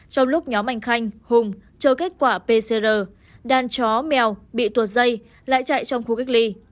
trong lúc nhóm anh khanh hùng chờ kết quả pcr đàn chó mèo bị tuột dây lại chạy trong khu cách ly